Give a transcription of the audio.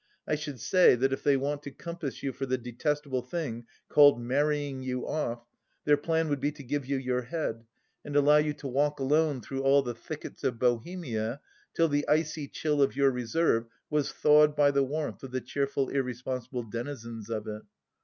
I should say that if they want to compass for you the detestable thing called ' marrying you oft,' their plan would be to give you your head and allow you to walk alone through all the thickets of Bohemia till the icy chill of your reserve was thawed by the warmth of the cheerful irresponsible denizens of it.